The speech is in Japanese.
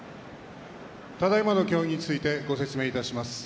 ただいまの協議について説明します。